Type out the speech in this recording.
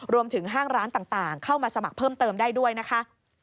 ห้างร้านต่างเข้ามาสมัครเพิ่มเติมได้ด้วยนะคะ